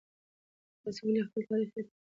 تاسې ولې خپل تاریخ هېروئ؟